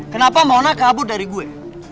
kenapa mona kabur dari gue